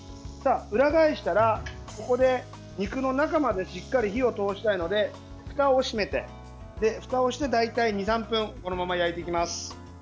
裏返したら、ここで肉の中までしっかり火を通したいのでふたを閉めてふたをして、大体２３分このまま焼いていきます。